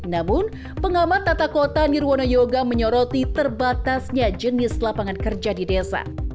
namun pengamat tata kota nirwono yoga menyoroti terbatasnya jenis lapangan kerja di desa